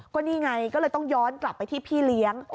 ก็นี่ไงก็เลยต้องย้อนกลับไปที่พี่เลี้ยง